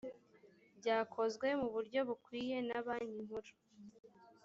byakoozwe mu buryo bukwiye na banki nkuru